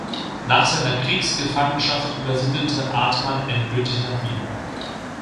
Nach seiner Kriegsgefangenschaft übersiedelte Artmann endgültig nach Wien.